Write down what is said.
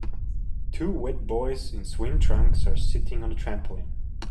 Two wet boys in swim trunks are sitting on a trampoline